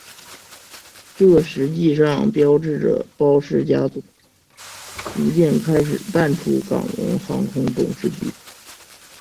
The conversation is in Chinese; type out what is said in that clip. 这实际上标志着包氏家族逐渐开始淡出港龙航空董事局。